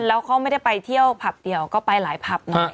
แล้วเขาไม่ได้ไปเที่ยวผับเดียวก็ไปหลายผับหน่อย